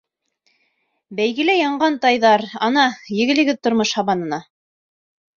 Бәйгелә янған тайҙар, ана егелегеҙ тормош һабанына.